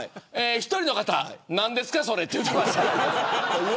１人の方何ですかそれと言っていました。